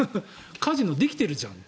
カジノできてるじゃん